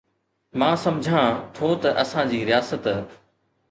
مان سمجهان ٿو ته اسان جي رياست